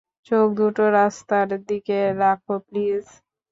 চোখ দুটো রাস্তার দিকে রাখো, প্লিজ।